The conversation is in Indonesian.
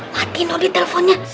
mati nolih telfonnya